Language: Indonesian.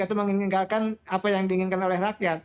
atau meninggalkan apa yang diinginkan oleh rakyat